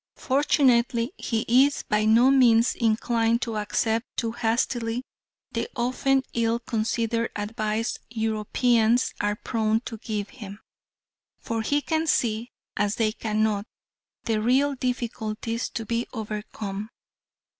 Fortunately he is by no means inclined to accept too hastily the often ill considered advice Europeans are prone to give him, for he can see, as they cannot, the real difficulties to be overcome.